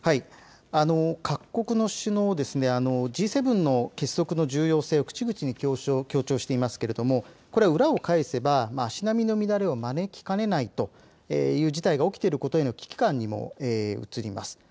各国の首脳、Ｇ７の結束の重要性を口々に強調していますけれどもこれは裏を返せば足並みの乱れを招きかねないという危機感にも映ります。